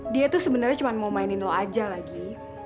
dia tuh sebenernya cuma mau mainin lo aja lagi